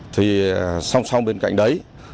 thì song song bên cạnh đấy